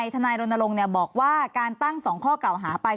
ทนายรณรงค์บอกว่าการตั้ง๒ข้อกล่าวหาไป